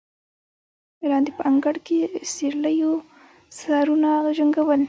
لاندې په انګړ کې سېرليو سرونه جنګول.